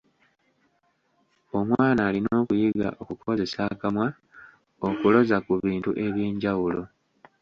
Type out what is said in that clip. Omwana alina okuyiga okukozesa akamwa okuloza ku bintu eby'enjawulo.